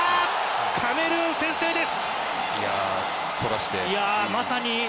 カメルーン、先制です。